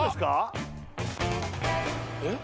えっ？